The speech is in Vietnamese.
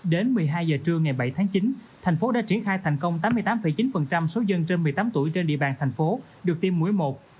đến một mươi hai giờ trưa ngày bảy tháng chín thành phố đã triển khai thành công tám mươi tám chín số dân trên một mươi tám tuổi trên địa bàn thành phố được tiêm mũi một